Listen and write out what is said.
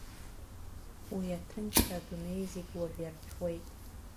Уи аҭынчра адунеи зегь уажә иарҭәуеит.